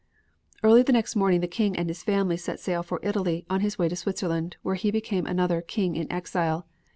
Early the next morning the King and his family set sail for Italy on his way to Switzerland, where he became another "King in exile."